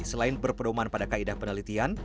selain berpedoman pada kaedah penelitian